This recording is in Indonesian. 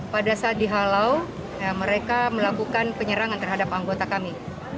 pada saat dihalau mereka melakukan penyerangan terhadap anggota kami